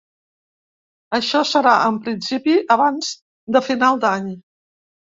Això serà, en principi, abans de final d’any.